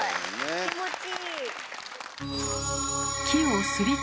気持ちいい。